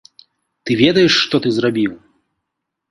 Ты ведаеш, што ты зрабіў?